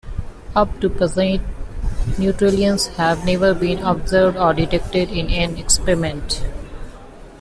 Up to present, neutralinos have never been observed or detected in an experiment.